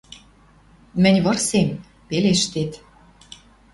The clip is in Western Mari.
Мӹнь вырсем — пелештет